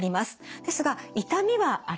ですが痛みはありません。